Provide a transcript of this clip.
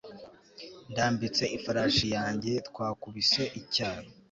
ndambitse ifarashi yanjye twakubise icyaro